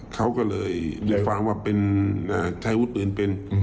เขาก็เลยได้ฟังว่าเป็นใช้อาวุธปืนเป็น